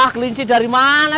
kelincir dari mana